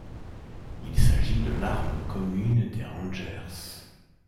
Il s'agit de l'arme commune des Rangers.